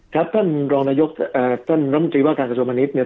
ครับท่านรองนายกท่านน้ำจริวะการกระชุมพาณิชย์